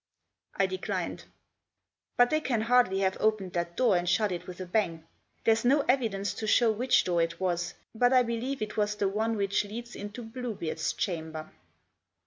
I declined. " But they can hardly have opened that door and shut it with a bang. There's no evidence to show which door it was, but I believe it was one which leads into Bluebeard's chamber."